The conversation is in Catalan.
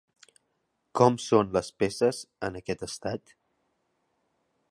Com són les peces en aquest estat?